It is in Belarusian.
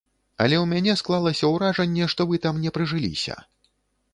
Але ў мяне склалася ўражанне, што вы там не прыжыліся.